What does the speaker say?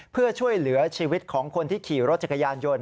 เพื่อช่วยเหลือชีวิตของคนที่ขี่รถจักรยานยนต์